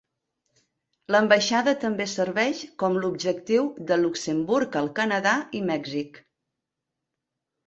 L'ambaixada també serveix com l'objectiu de Luxemburg al Canadà i Mèxic.